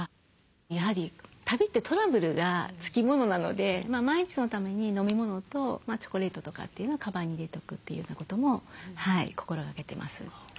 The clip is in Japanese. やはり旅ってトラブルが付きものなので万一のために飲み物とチョコレートとかっていうのをかばんに入れておくというようなことも心がけてます。